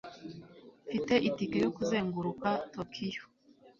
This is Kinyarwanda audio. Mfite itike yo kuzenguruka Tokiyo.